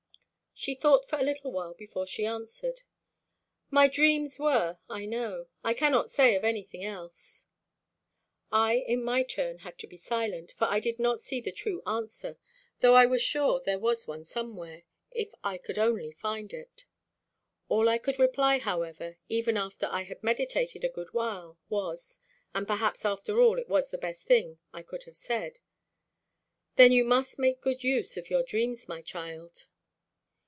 She thought for a little while before she answered. "My dreams were, I know. I cannot say so of anything else." I in my turn had to be silent, for I did not see the true answer, though I was sure there was one somewhere, if I could only find it. All I could reply, however, even after I had meditated a good while, was and perhaps, after all, it was the best thing I could have said: "Then you must make a good use of your dreams, my child."